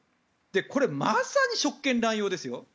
これ、まさに職権乱用ですよ。